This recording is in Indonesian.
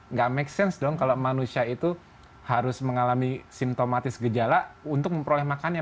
nggak make sense dong kalau manusia itu harus mengalami simptomatis gejala untuk memperoleh makannya